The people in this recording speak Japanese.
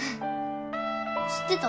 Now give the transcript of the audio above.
知ってた？